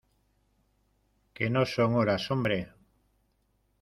que no son horas, hombre.